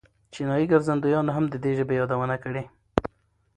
چینایي ګرځندویانو هم د دې ژبې یادونه کړې.